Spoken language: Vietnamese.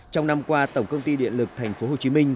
trong năm qua tổng công ty điện lực tp hcm